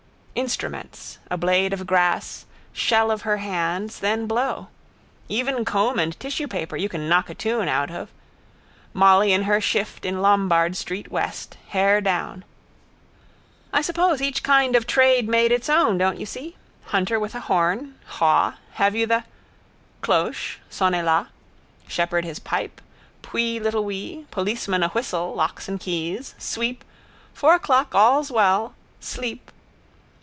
Instruments. A blade of grass, shell of her hands, then blow. Even comb and tissuepaper you can knock a tune out of. Molly in her shift in Lombard street west, hair down. I suppose each kind of trade made its own, don't you see? Hunter with a horn. Haw. Have you the? Cloche. Sonnez la. Shepherd his pipe. Pwee little wee. Policeman a whistle. Locks and keys! Sweep! Four o'clock's all's well! Sleep!